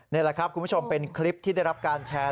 นี่แหละครับคุณผู้ชมเป็นคลิปที่ได้รับการแชร์